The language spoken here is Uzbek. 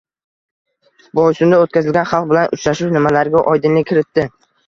Boysunda o‘tkazilgan xalq bilan uchrashuv nimalarga oydinlik kiritdi?